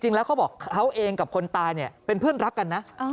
เขาบอกเขาเองกับคนตายเนี่ยเป็นเพื่อนรักกันนะ